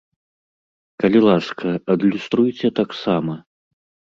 Калі ласка, адлюструйце таксама!